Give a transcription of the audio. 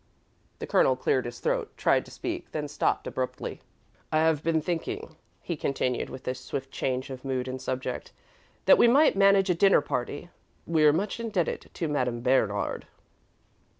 The Colonel cleared his throat, tried to speak, then stopped abruptly. "I have been thinking," he continued, with a swift change of mood and subject, "that we might manage a dinner party. We're much indebted to Madame Bernard."